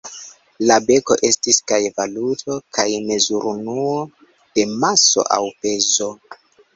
La beko estis kaj valuto kaj mezurunuo de maso aŭ pezo.